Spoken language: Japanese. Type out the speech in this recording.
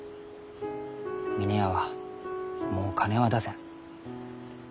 峰屋はもう金は出せん。